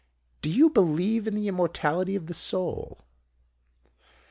"'Do you believe in the Immortality of the Soul?'